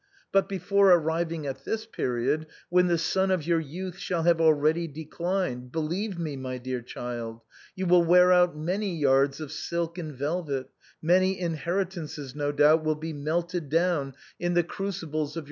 But, before arriving at this period, when the sun of your youth shall have already declined, believe me, my dear child, you will wear out many yards of silk and velvet, many inheri tances, no doubt, will be melted down in the crucibles of MIMI IN FINE i 'EATHER.